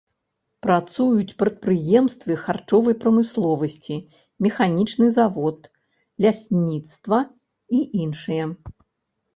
Працуюць прадпрыемствы харчовай прамысловасці, механічны завод, лясніцтва і іншыя.